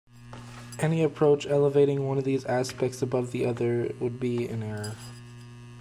Any approach elevating one of these aspects above the other would be in error.